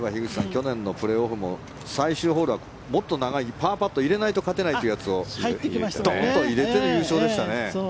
去年のプレーオフももっと長いパーパットを入れないと勝てないというやつをドンと入れて優勝でしたね。